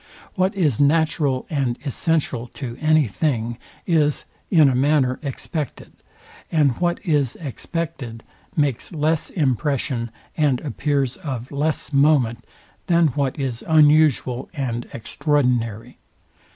What is natural and essential to any thing is, in a manner, expected; and what is expected makes less impression, and appears of less moment, than what is unusual and extraordinary.